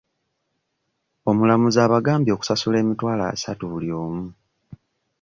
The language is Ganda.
Omulamuzi abagambye okusasula emitwalo asatu buli omu.